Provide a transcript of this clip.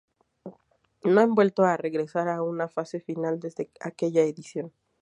No han vuelto a regresar a una fase final desde aquella edición.